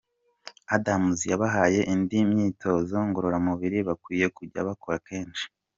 Adams yabahaye indi myitozo ngororamubiri bakwiye kujya bakora kenshi.